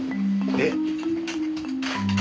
えっ？